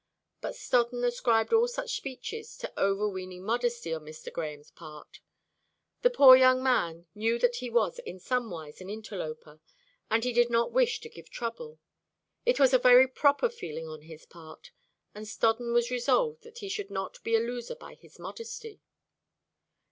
But Stodden ascribed all such speeches to overweening modesty on Mr. Grahame's part. The poor young man knew that he was in somewise an interloper; and he did not wish to give trouble. It was a very proper feeling on his part; and Stodden was resolved that he should not be a loser by his modesty.